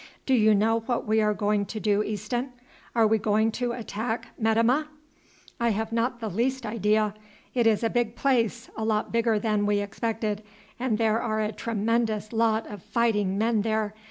Do you know what we are going to do, Easton? Are we going to attack Metemmeh?" "I have not the least idea. It is a big place, a lot bigger than we expected, and there are a tremendous lot of fighting men there.